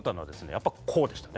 やっぱこうでしたね。